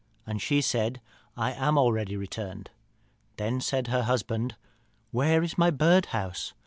and she said, 'I am already returned.' Then said her husband, 'Where is my birdhouse?'